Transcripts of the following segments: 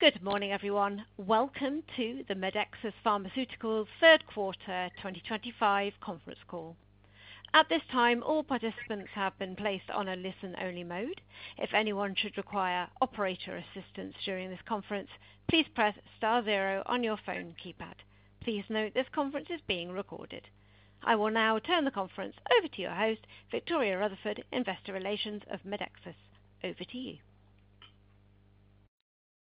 Good morning, everyone. Welcome to the Medexus Pharmaceuticals Third Quarter 2025 conference call. At this time, all participants have been placed on a listen-only mode. If anyone should require operator assistance during this conference, please press star zero on your phone keypad. Please note this conference is being recorded. I will now turn the conference over to your host, Victoria Rutherford, Investor Relations of Medexus. Over to you.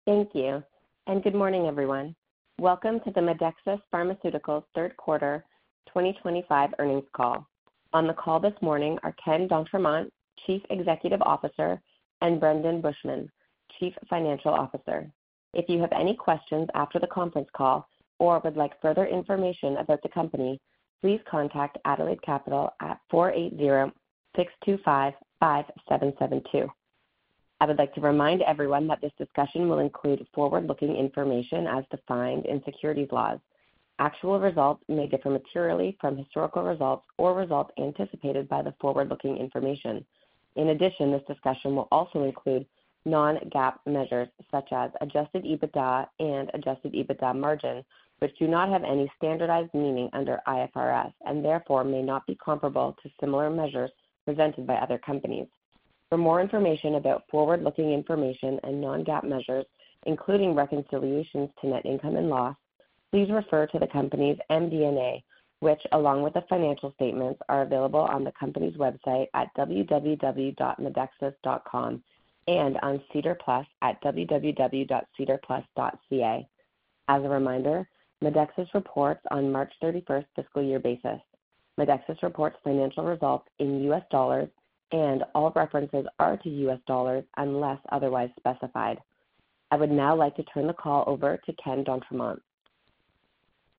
Thank you, and good morning, everyone. Welcome to the Medexus Pharmaceuticals Third Quarter 2025 Earnings Call. On the call this morning are Ken d'Entremont, Chief Executive Officer, and Brendon Bushman, Chief Financial Officer. If you have any questions after the conference call or would like further information about the company, please contact Adelaide Capital at 480-625-5772. I would like to remind everyone that this discussion will include forward-looking information as defined in securities laws. Actual results may differ materially from historical results or results anticipated by the forward-looking information. In addition, this discussion will also include non-GAAP measures such as Adjusted EBITDA and Adjusted EBITDA margin, which do not have any standardized meaning under IFRS and therefore may not be comparable to similar measures presented by other companies. For more information about forward-looking information and non-GAAP measures, including reconciliations to net income and loss, please refer to the company's MD&A, which, along with the financial statements, are available on the company's website at www.medexus.com and on SEDAR+ at www.sedarplus.ca. As a reminder, Medexus reports on March 31 fiscal year basis. Medexus reports financial results in U.S. dollars, and all references are to U.S. dollars unless otherwise specified. I would now like to turn the call over to Ken d'Entremont.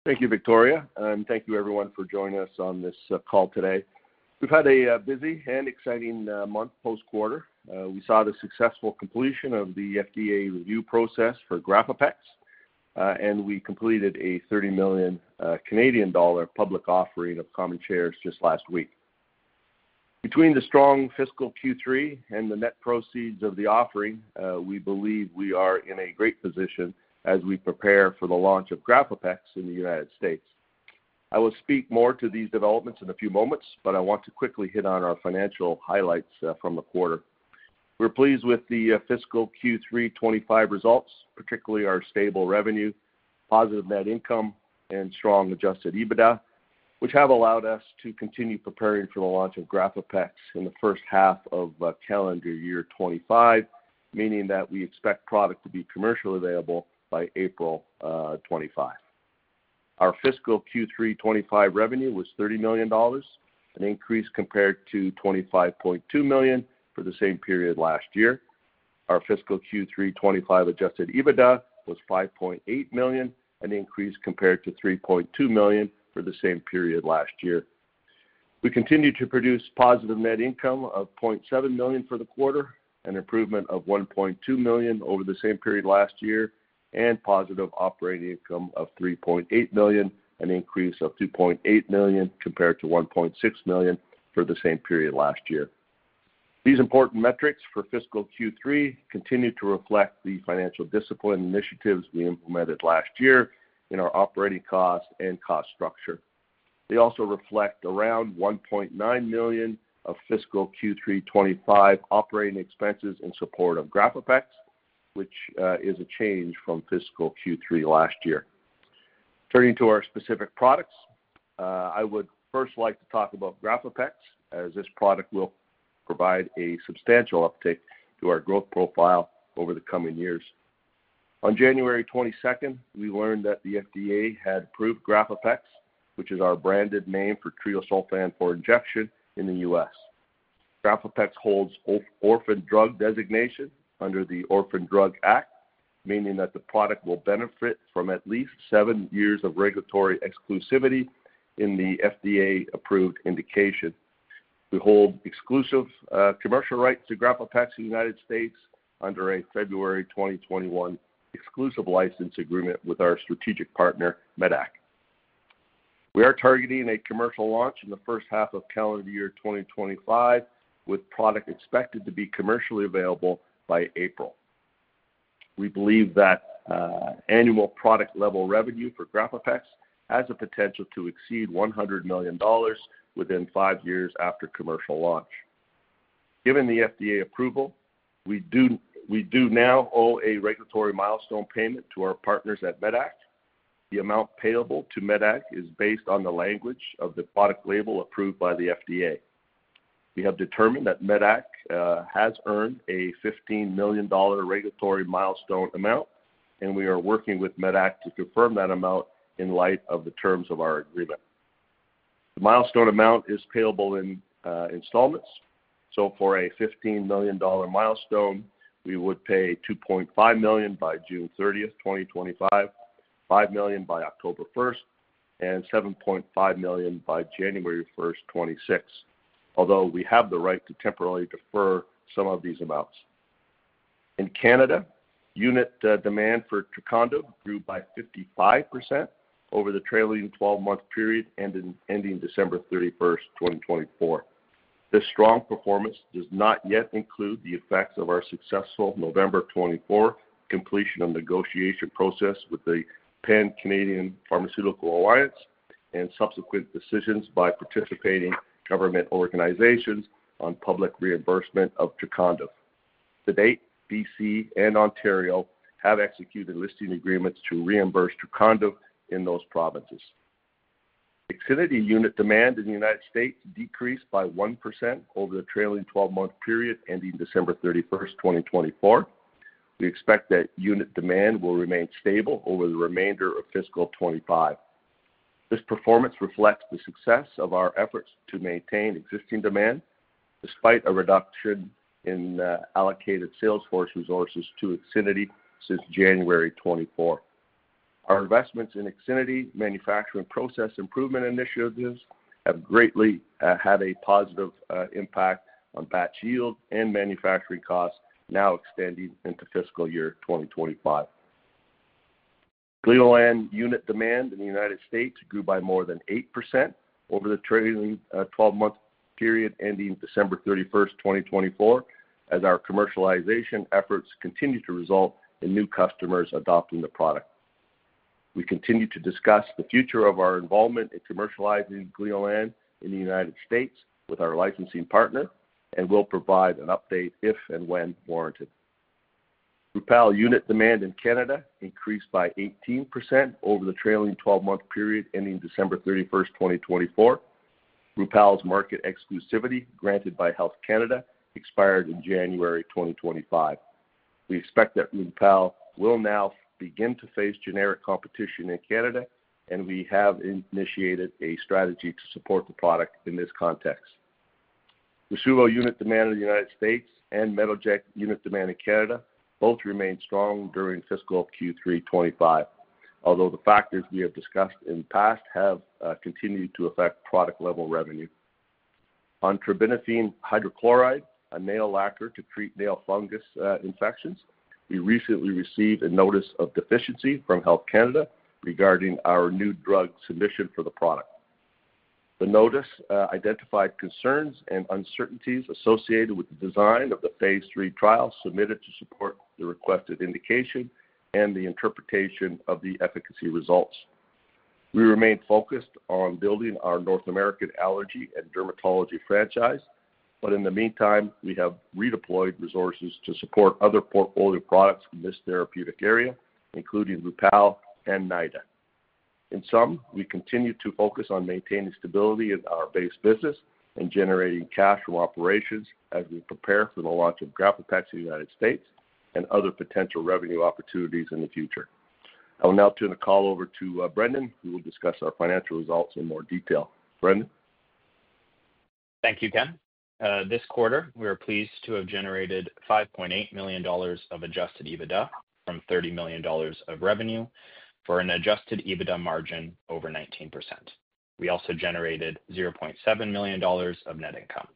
Thank you, Victoria, and thank you, everyone, for joining us on this call today. We've had a busy and exciting month post-quarter. We saw the successful completion of the FDA review process for GRAFAPEX, and we completed a 30 million Canadian dollar public offering of common shares just last week. Between the strong fiscal Q3 and the net proceeds of the offering, we believe we are in a great position as we prepare for the launch of GRAFAPEX in the U.S. I will speak more to these developments in a few moments, but I want to quickly hit on our financial highlights from the quarter. We're pleased with the fiscal Q3 2025 results, particularly our stable revenue, positive net income, and strong adjusted EBITDA, which have allowed us to continue preparing for the launch of GRAFAPEX in the first half of calendar year 2025, meaning that we expect product to be commercially available by April 2025. Our fiscal Q3 2025 revenue was $30 million, an increase compared to $25.2 million for the same period last year. Our fiscal Q3 2025 adjusted EBITDA was $5.8 million, an increase compared to $3.2 million for the same period last year. We continue to produce positive net income of $0.7 million for the quarter, an improvement of $1.2 million over the same period last year, and positive operating income of $3.8 million, an increase of $2.8 million compared to $1.6 million for the same period last year. These important metrics for fiscal Q3 continue to reflect the financial discipline initiatives we implemented last year in our operating costs and cost structure. They also reflect around $1.9 million of fiscal Q3 2025 operating expenses in support of GRAFAPEX, which is a change from fiscal Q3 last year. Turning to our specific products, I would first like to talk about GRAFAPEX, as this product will provide a substantial uptake to our growth profile over the coming years. On January 22, we learned that the FDA had approved GRAFAPEX, which is our branded name for treosulfan for injection in the U.S. GRAFAPEX holds orphan drug designation under the Orphan Drug Act, meaning that the product will benefit from at least seven years of regulatory exclusivity in the FDA-approved indication. We hold exclusive commercial rights to GRAFAPEX in the United States under a February 2021 exclusive license agreement with our strategic partner, medac. We are targeting a commercial launch in the first half of calendar year 2025, with product expected to be commercially available by April. We believe that annual product-level revenue for GRAFAPEX has the potential to exceed $100 million within five years after commercial launch. Given the FDA approval, we do now owe a regulatory milestone payment to our partners at medac. The amount payable to medac is based on the language of the product label approved by the FDA. We have determined that medac has earned a $15 million regulatory milestone amount, and we are working with medac to confirm that amount in light of the terms of our agreement. The milestone amount is payable in installments, so for a $15 million milestone, we would pay $2.5 million by June 30, 2025, $5 million by October 1, and $7.5 million by January 1, 2026, although we have the right to temporarily defer some of these amounts. In Canada, unit demand for Trecondyv grew by 55% over the trailing 12-month period ending December 31, 2024. This strong performance does not yet include the effects of our successful November 2024 completion of negotiation process with the Pan-Canadian Pharmaceutical Alliance and subsequent decisions by participating government organizations on public reimbursement of Trecondyv. To date, British Columbia and Ontario have executed listing agreements to reimburse Trecondyv in those provinces. IXINITY unit demand in the United States decreased by 1% over the trailing 12-month period ending December 31, 2024. We expect that unit demand will remain stable over the remainder of fiscal 2025. This performance reflects the success of our efforts to maintain existing demand despite a reduction in allocated sales force resources to IXINITY since January 2024. Our investments in IXINITY manufacturing process improvement initiatives have greatly had a positive impact on batch yield and manufacturing costs now extending into fiscal year 2025. Gleolan unit demand in the U.S. grew by more than 8% over the trailing 12-month period ending December 31, 2024, as our commercialization efforts continue to result in new customers adopting the product. We continue to discuss the future of our involvement in commercializing Gleolan in the U.S. with our licensing partner and will provide an update if and when warranted. Rupall unit demand in Canada increased by 18% over the trailing 12-month period ending December 31, 2024. Rupall's market exclusivity granted by Health Canada expired in January 2025. We expect that Rupall will now begin to face generic competition in Canada, and we have initiated a strategy to support the product in this context. Rasuvo unit demand in the United States and Metoject unit demand in Canada both remained strong during fiscal Q3 2025, although the factors we have discussed in the past have continued to affect product-level revenue. On terbinafine hydrochloride, a nail lacquer to treat nail fungus infections, we recently received a Notice of Deficiency from Health Canada regarding our New Drug Submission for the product. The notice identified concerns and uncertainties associated with the design of the phase III trial submitted to support the requested indication and the interpretation of the efficacy results. We remain focused on building our North American allergy and dermatology franchise, but in the meantime, we have redeployed resources to support other portfolio products in this therapeutic area, including Rupall and NYDA. In sum, we continue to focus on maintaining stability in our base business and generating cash from operations as we prepare for the launch of GRAFAPEX in the United States and other potential revenue opportunities in the future. I will now turn the call over to Brendon, who will discuss our financial results in more detail. Brendon. Thank you, Ken. This quarter, we are pleased to have generated $5.8 million of adjusted EBITDA from $30 million of revenue for an adjusted EBITDA margin over 19%. We also generated $0.7 million of net income.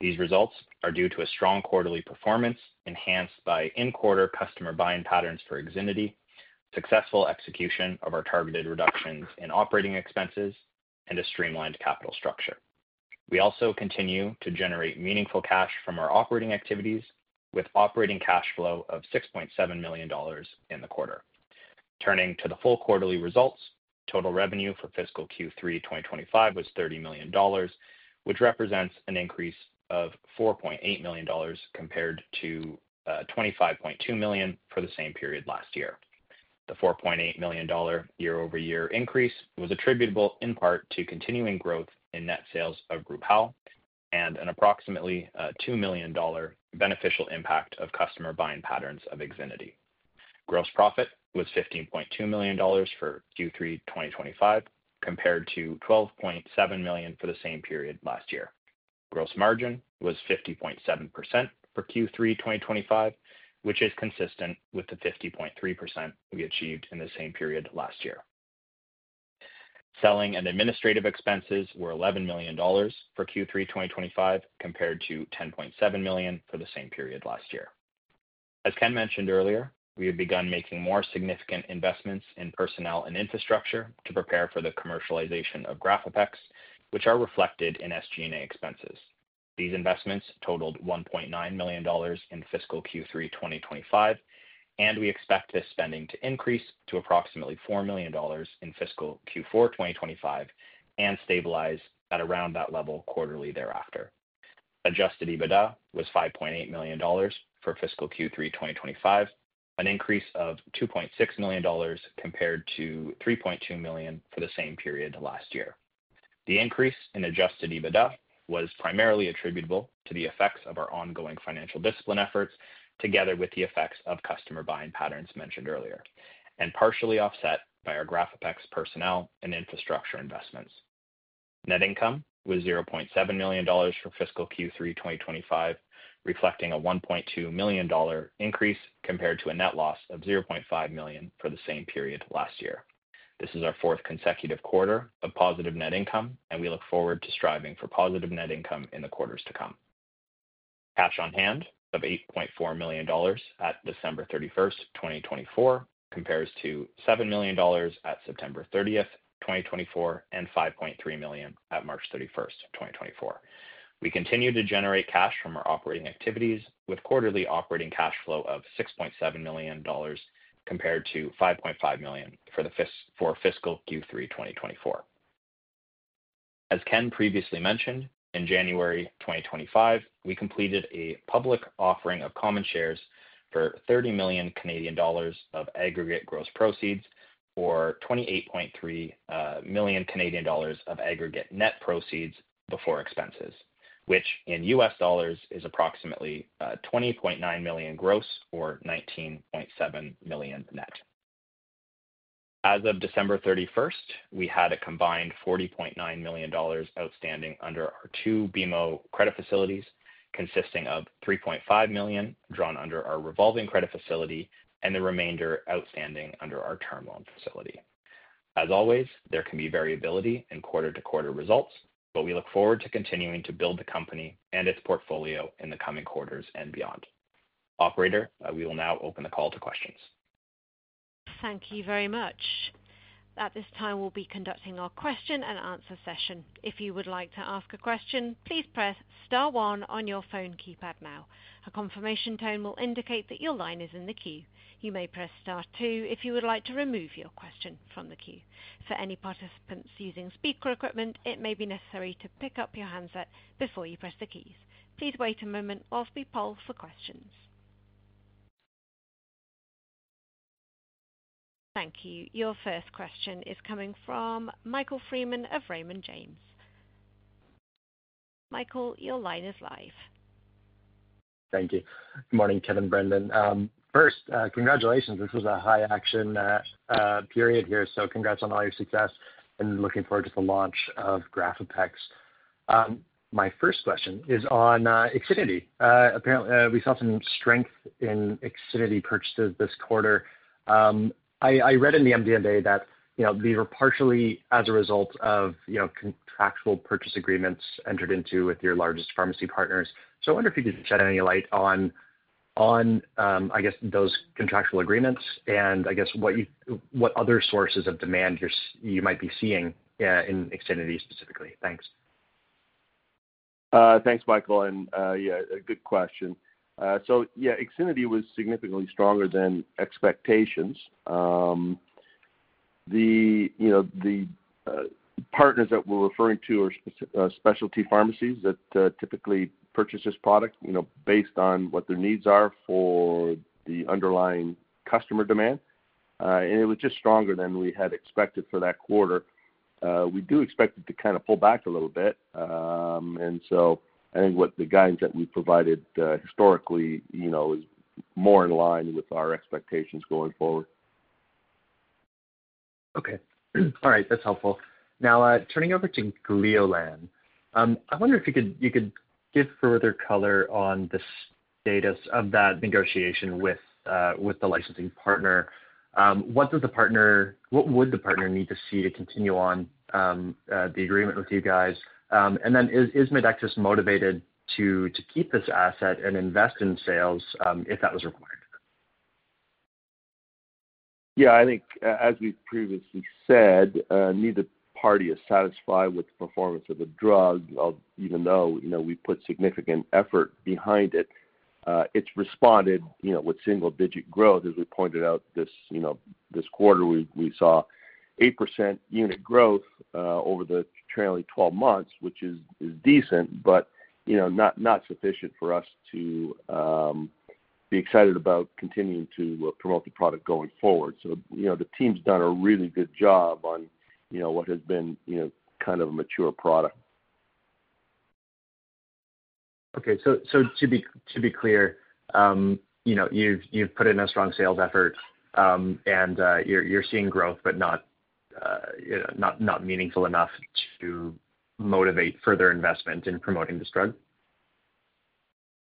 These results are due to a strong quarterly performance enhanced by in-quarter customer buying patterns for IXINITY, successful execution of our targeted reductions in operating expenses, and a streamlined capital structure. We also continue to generate meaningful cash from our operating activities with operating cash flow of $6.7 million in the quarter. Turning to the full quarterly results, total revenue for fiscal Q3 2025 was $30 million, which represents an increase of $4.8 million compared to $25.2 million for the same period last year. The $4.8 million year-over-year increase was attributable in part to continuing growth in net sales of Rupall and an approximately $2 million beneficial impact of customer buying patterns of IXINITY. Gross profit was $15.2 million for Q3 2025 compared to $12.7 million for the same period last year. Gross margin was 50.7% for Q3 2025, which is consistent with the 50.3% we achieved in the same period last year. Selling and administrative expenses were $11 million for Q3 2025 compared to $10.7 million for the same period last year. As Ken mentioned earlier, we have begun making more significant investments in personnel and infrastructure to prepare for the commercialization of GRAFAPEX, which are reflected in SG&A expenses. These investments totaled $1.9 million in fiscal Q3 2025, and we expect this spending to increase to approximately $4 million in fiscal Q4 2025 and stabilize at around that level quarterly thereafter. Adjusted EBITDA was $5.8 million for fiscal Q3 2025, an increase of $2.6 million compared to $3.2 million for the same period last year. The increase in adjusted EBITDA was primarily attributable to the effects of our ongoing financial discipline efforts together with the effects of customer buying patterns mentioned earlier, and partially offset by our GRAFAPEX personnel and infrastructure investments. Net income was $0.7 million for fiscal Q3 2025, reflecting a $1.2 million increase compared to a net loss of $0.5 million for the same period last year. This is our fourth consecutive quarter of positive net income, and we look forward to striving for positive net income in the quarters to come. Cash on hand of $8.4 million at December 31st, 2024 compares to $7 million at September 30th, 2024, and $5.3 million at March 31st, 2024. We continue to generate cash from our operating activities with quarterly operating cash flow of $6.7 million compared to $5.5 million for fiscal Q3 2024. As Ken previously mentioned, in January 2025, we completed a public offering of common shares for 30 million Canadian dollars of aggregate gross proceeds or 28.3 million Canadian dollars of aggregate net proceeds before expenses, which in U.S. dollars is approximately $20.9 million gross or $19.7 million net. As of December 31st, we had a combined $40.9 million outstanding under our two BMO credit facilities, consisting of $3.5 million drawn under our revolving credit facility and the remainder outstanding under our term loan facility. As always, there can be variability in quarter-to-quarter results, but we look forward to continuing to build the company and its portfolio in the coming quarters and beyond. Operator, we will now open the call to questions. Thank you very much. At this time, we'll be conducting our question and answer session. If you would like to ask a question, please press star one on your phone keypad now. A confirmation tone will indicate that your line is in the queue. You may press star two if you would like to remove your question from the queue. For any participants using speaker equipment, it may be necessary to pick up your handset before you press the keys. Please wait a moment whilst we poll for questions. Thank you. Your first question is coming from Michael Freeman of Raymond James. Michael, your line is live. Thank you. Good morning, Ken, Brendon. First, congratulations. This was a high-action period here, so congrats on all your success and looking forward to the launch of GRAFAPEX. My first question is on IXINITY. Apparently, we saw some strength in IXINITY purchases this quarter. I read in the MD&A that these were partially as a result of contractual purchase agreements entered into with your largest pharmacy partners. I wonder if you could shed any light on, I guess, those contractual agreements and, I guess, what other sources of demand you might be seeing in IXINITY specifically. Thanks. Thanks, Michael. Yeah, a good question. Yeah, IXINITY was significantly stronger than expectations. The partners that we're referring to are specialty pharmacies that typically purchase this product based on what their needs are for the underlying customer demand. It was just stronger than we had expected for that quarter. We do expect it to kind of pull back a little bit. I think what the guidance that we provided historically is more in line with our expectations going forward. Okay. All right. That's helpful. Now, turning over to Gleolan, I wonder if you could give further color on the status of that negotiation with the licensing partner. What would the partner need to see to continue on the agreement with you guys? Is Medexus motivated to keep this asset and invest in sales if that was required? Yeah. I think, as we previously said, neither party is satisfied with the performance of the drug, even though we put significant effort behind it. It's responded with single-digit growth, as we pointed out this quarter. We saw 8% unit growth over the trailing 12 months, which is decent, but not sufficient for us to be excited about continuing to promote the product going forward. The team's done a really good job on what has been kind of a mature product. Okay. To be clear, you've put in a strong sales effort, and you're seeing growth, but not meaningful enough to motivate further investment in promoting this drug?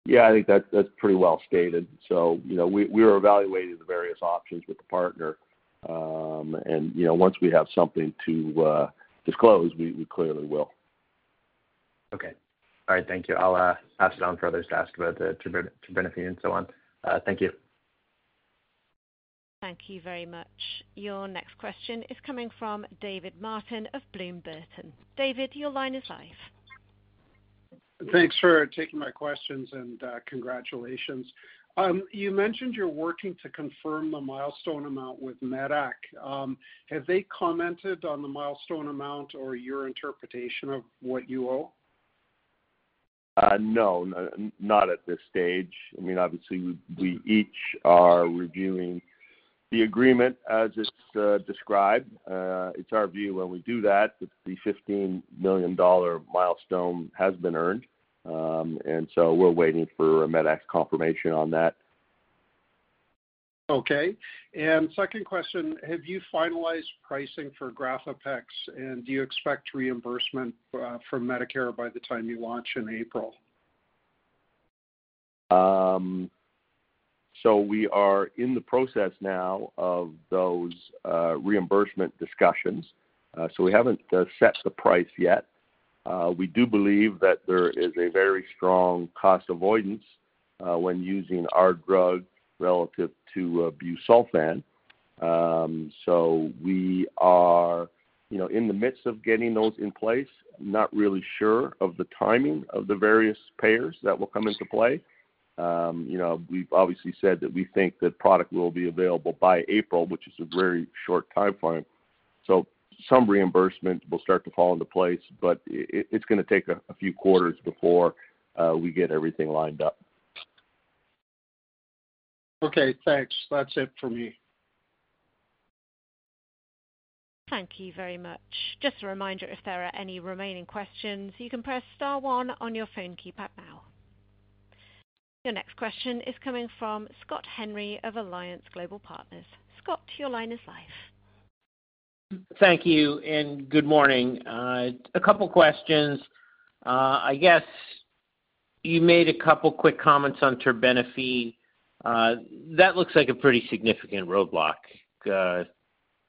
Yeah. I think that's pretty well stated. We were evaluating the various options with the partner. Once we have something to disclose, we clearly will. Okay. All right. Thank you. I'll pass it on for others to ask about terbinafine and so on. Thank you. Thank you very much. Your next question is coming from David Martin of Bloom Burton. David, your line is live. Thanks for taking my questions and congratulations. You mentioned you're working to confirm the milestone amount with medac. Have they commented on the milestone amount or your interpretation of what you owe? No. Not at this stage. I mean, obviously, we each are reviewing the agreement as it's described. It's our view when we do that, the $15 million milestone has been earned. We are waiting for a medac confirmation on that. Okay. Second question, have you finalized pricing for GRAFAPEX, and do you expect reimbursement from Medicare by the time you launch in April? We are in the process now of those reimbursement discussions. We have not set the price yet. We do believe that there is a very strong cost avoidance when using our drug relative to busulfan. We are in the midst of getting those in place. Not really sure of the timing of the various payers that will come into play. We have obviously said that we think the product will be available by April, which is a very short timeframe. Some reimbursement will start to fall into place, but it is going to take a few quarters before we get everything lined up. Okay. Thanks. That's it for me. Thank you very much. Just a reminder, if there are any remaining questions, you can press star one on your phone keypad now. Your next question is coming from Scott Henry of Alliance Global Partners. Scott, your line is live. Thank you. Good morning. A couple of questions. I guess you made a couple of quick comments on terbinafine. That looks like a pretty significant roadblock.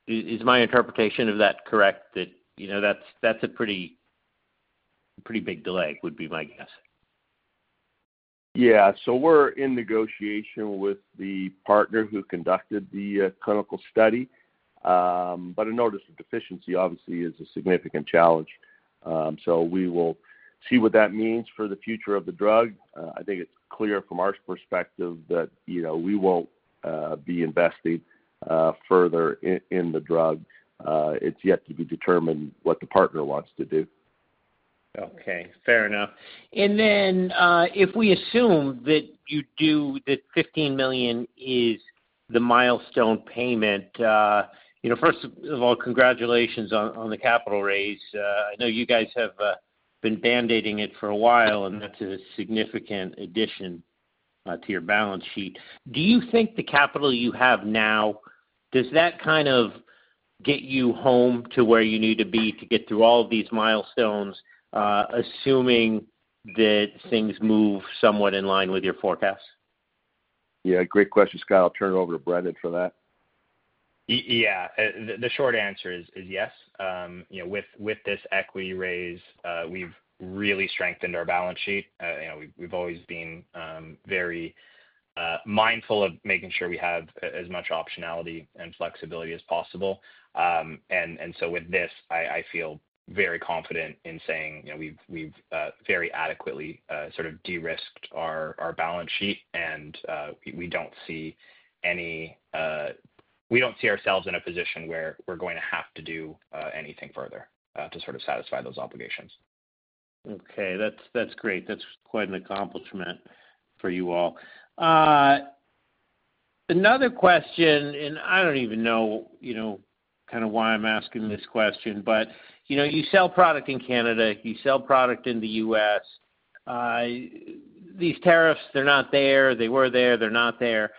Is my interpretation of that correct? That's a pretty big delay, would be my guess. Yeah. We are in negotiation with the partner who conducted the clinical study. A notice of deficiency, obviously, is a significant challenge. We will see what that means for the future of the drug. I think it is clear from our perspective that we will not be investing further in the drug. It is yet to be determined what the partner wants to do. Okay. Fair enough. If we assume that you do that $15 million is the milestone payment, first of all, congratulations on the capital raise. I know you guys have been band-aiding it for a while, and that's a significant addition to your balance sheet. Do you think the capital you have now, does that kind of get you home to where you need to be to get through all of these milestones, assuming that things move somewhat in line with your forecast? Yeah. Great question, Scott. I'll turn it over to Brendon for that. Yeah. The short answer is yes. With this equity raise, we've really strengthened our balance sheet. We've always been very mindful of making sure we have as much optionality and flexibility as possible. With this, I feel very confident in saying we've very adequately sort of de-risked our balance sheet, and we don't see ourselves in a position where we're going to have to do anything further to sort of satisfy those obligations. Okay. That's great. That's quite an accomplishment for you all. Another question, and I don't even know kind of why I'm asking this question, but you sell product in Canada, you sell product in the U.S. These tariffs, they're not there. They were there. They're not there.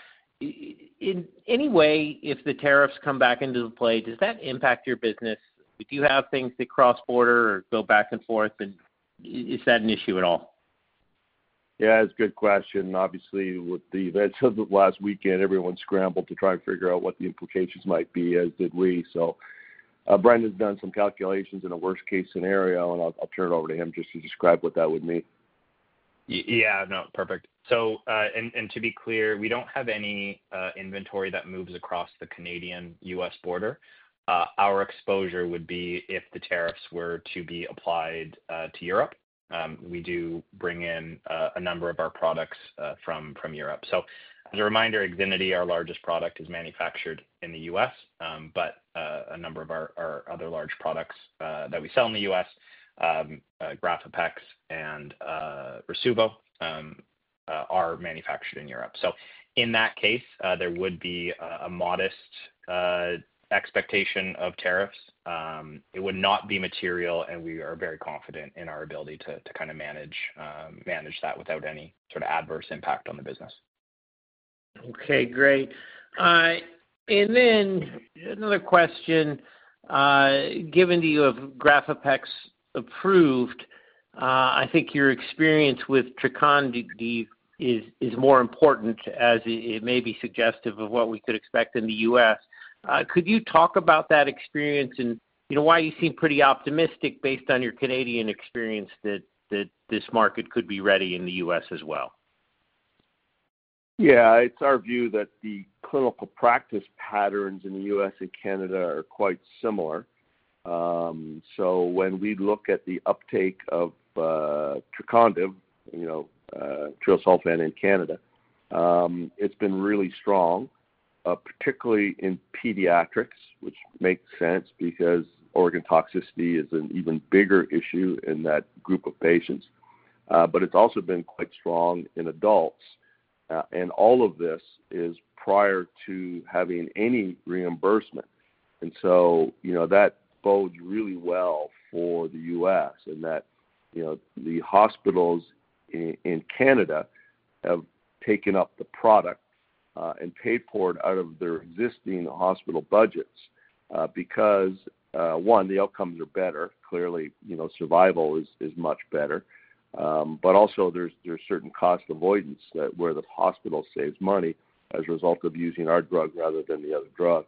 In any way, if the tariffs come back into play, does that impact your business? Do you have things that cross-border or go back and forth, and is that an issue at all? Yeah. That's a good question. Obviously, with the events of last weekend, everyone scrambled to try and figure out what the implications might be, as did we. Brendon's done some calculations in a worst-case scenario, and I'll turn it over to him just to describe what that would mean. Yeah. No. Perfect. To be clear, we do not have any inventory that moves across the Canadian-U.S. border. Our exposure would be if the tariffs were to be applied to Europe. We do bring in a number of our products from Europe. As a reminder, IXINITY, our largest product, is manufactured in the U.S., but a number of our other large products that we sell in the U.S., GRAFAPEX and Rasuvo, are manufactured in Europe. In that case, there would be a modest expectation of tariffs. It would not be material, and we are very confident in our ability to kind of manage that without any sort of adverse impact on the business. Okay. Great. Another question. Given that you have GRAFAPEX approved, I think your experience with Trecondyv is more important, as it may be suggestive of what we could expect in the U.S. Could you talk about that experience and why you seem pretty optimistic based on your Canadian experience that this market could be ready in the U.S. as well? Yeah. It's our view that the clinical practice patterns in the U.S. and Canada are quite similar. When we look at the uptake of Trecondyv, treosulfan in Canada, it's been really strong, particularly in pediatrics, which makes sense because organ toxicity is an even bigger issue in that group of patients. It's also been quite strong in adults. All of this is prior to having any reimbursement. That bodes really well for the U.S. in that the hospitals in Canada have taken up the product and paid for it out of their existing hospital budgets because, one, the outcomes are better. Clearly, survival is much better. Also, there's certain cost avoidance where the hospital saves money as a result of using our drug rather than the other drug.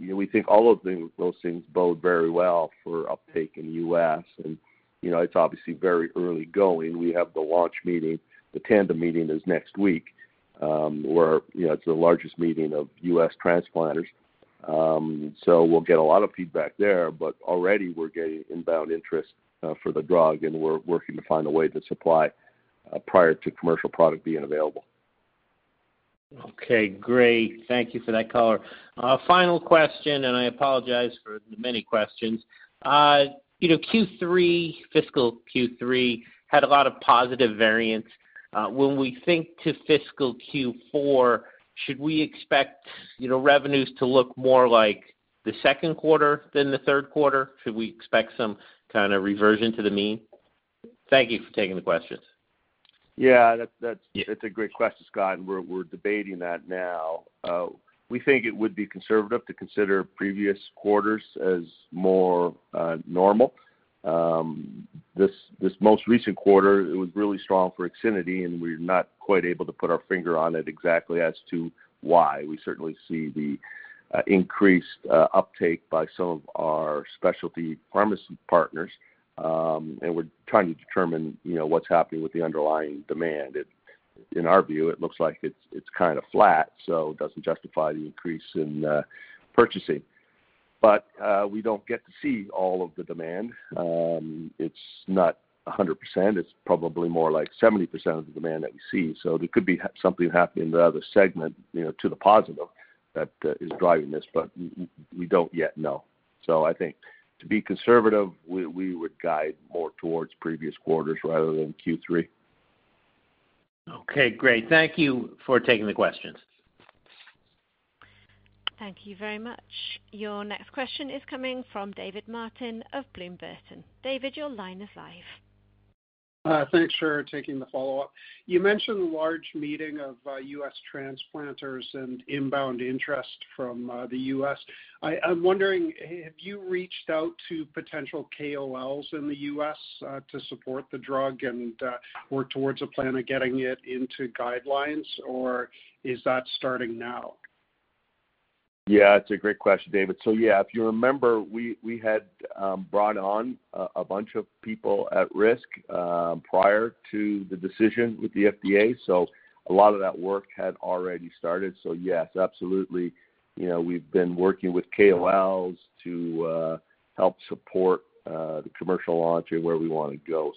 We think all of those things bode very well for uptake in the U.S. It is obviously very early going. We have the launch meeting. The Tandem Meetings is next week where it is the largest meeting of U.S. transplanters. We will get a lot of feedback there. Already, we are getting inbound interest for the drug, and we are working to find a way to supply prior to commercial product being available. Okay. Great. Thank you for that, color. Final question, and I apologize for the many questions. Q3, fiscal Q3, had a lot of positive variance. When we think to fiscal Q4, should we expect revenues to look more like the second quarter than the third quarter? Should we expect some kind of reversion to the mean? Thank you for taking the questions. Yeah. That's a great question, Scott. We're debating that now. We think it would be conservative to consider previous quarters as more normal. This most recent quarter, it was really strong for IXINITY, and we're not quite able to put our finger on it exactly as to why. We certainly see the increased uptake by some of our specialty pharmacy partners, and we're trying to determine what's happening with the underlying demand. In our view, it looks like it's kind of flat, so it doesn't justify the increase in purchasing. We don't get to see all of the demand. It's not 100%. It's probably more like 70% of the demand that we see. There could be something happening in the other segment to the positive that is driving this, but we don't yet know. I think to be conservative, we would guide more towards previous quarters rather than Q3. Okay. Great. Thank you for taking the questions. Thank you very much. Your next question is coming from David Martin of Bloom Burton. David, your line is live. Thanks for taking the follow-up. You mentioned a large meeting of U.S. transplanters and inbound interest from the U.S. I'm wondering, have you reached out to potential KOLs in the U.S. to support the drug and work towards a plan of getting it into guidelines, or is that starting now? Yeah. That's a great question, David. Yeah, if you remember, we had brought on a bunch of people at risk prior to the decision with the FDA. A lot of that work had already started. Yes, absolutely, we've been working with KOLs to help support the commercial launch and where we want to go.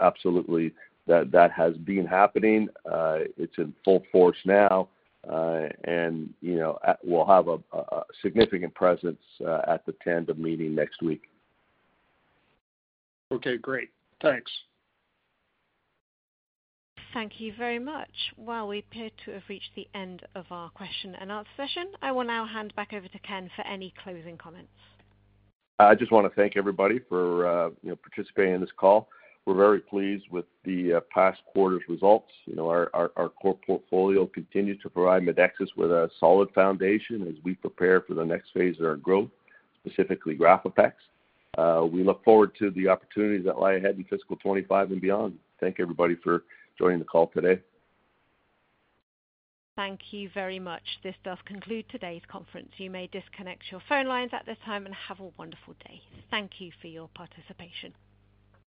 Absolutely, that has been happening. It's in full force now, and we'll have a significant presence at the Tandem Meeting next week. Okay. Great. Thanks. Thank you very much. We appear to have reached the end of our question and answer session. I will now hand back over to Ken for any closing comments. I just want to thank everybody for participating in this call. We're very pleased with the past quarter's results. Our core portfolio continues to provide Medexus with a solid foundation as we prepare for the next phase of our growth, specifically GRAFAPEX. We look forward to the opportunities that lie ahead in fiscal 2025 and beyond. Thank everybody for joining the call today. Thank you very much. This does conclude today's conference. You may disconnect your phone lines at this time and have a wonderful day. Thank you for your participation.